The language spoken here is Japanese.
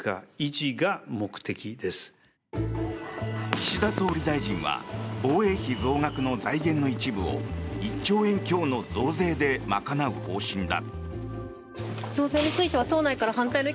岸田総理大臣は防衛費増額の財源の一部を１兆円強の増税で賄う方針だ。